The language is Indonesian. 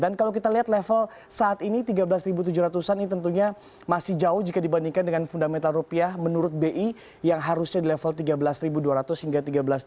dan kalau kita lihat level saat ini tiga belas tujuh ratus an ini tentunya masih jauh jika dibandingkan dengan fundamental rupiah menurut bi yang harusnya di level tiga belas dua ratus hingga tiga belas tiga ratus